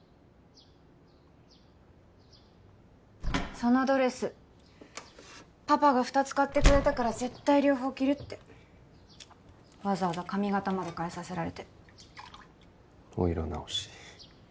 そのドレスパパが２つ買ってくれたから絶対両方着るってわざわざ髪形まで変えさせられてお色直し